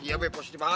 iya be positif banget